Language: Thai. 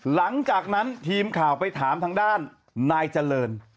หลังจากนั้นทีมข่าวไปถามทางด้านนายเจริญ